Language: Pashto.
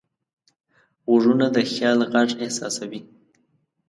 غوږونه د خیال غږ احساسوي